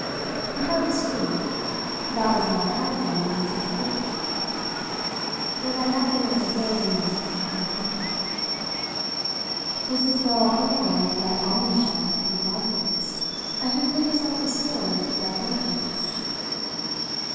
If I was free, that was what I had been only so short a time before, what I had been as I drove, in London, to the station. Was this now a foreknowledge that, on the morrow, in driving away, I should feel myself restored to that blankness?